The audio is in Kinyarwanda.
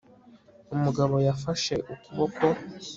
umugabo yafashe ukuboko